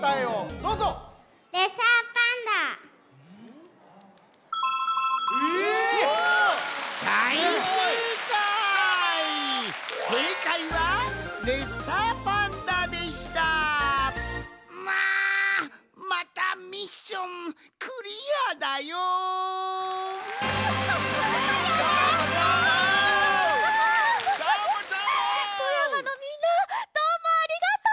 富山のみんなどうもありがとう！